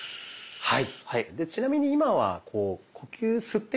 はい。